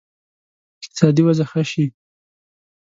اقتصادي وضع ښه شي.